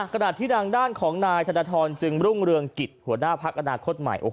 ขณะที่ทางด้านของนายธนทรจึงรุ่งเรืองกิจหัวหน้าพักอนาคตใหม่